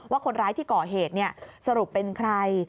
ว่าคนร้ายที่ก่อเหตุสรุปเป็นใคร